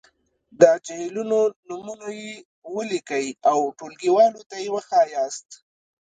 د جهیلونو نومونويې ولیکئ او ټولګیوالو ته یې وښایاست.